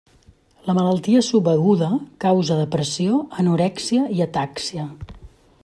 La malaltia subaguda causa depressió, anorèxia i atàxia.